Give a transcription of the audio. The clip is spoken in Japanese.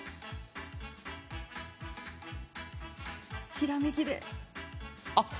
ひらめきで。